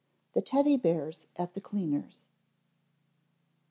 _The Teddy Bears at the Cleaner's.